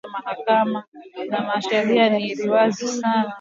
Ma sheria ile iko na saidiya banamuke ku uza ma npango ni wazi sana